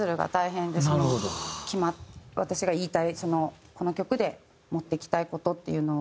私が言いたいこの曲で持ってきたい事っていうのを。